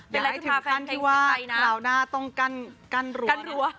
เป็นอะไรถึงขั้นที่ว่าคราวหน้าต้องกั้นรั้ว